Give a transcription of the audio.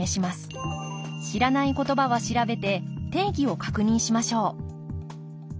知らないことばは調べて定義を確認しましょう